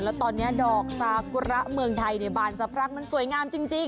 แล้วตอนนี้ดอกซากุระเมืองไทยในบานสะพรั่งมันสวยงามจริง